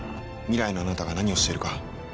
未来のあなたが何をしているか。